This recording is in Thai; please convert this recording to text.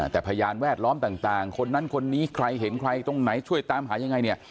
แต่พยานแวดล้อมต่างคนนั้นคนนี้ใครเห็นใครตรงไหนช่วยตามหายังไงเนี่ย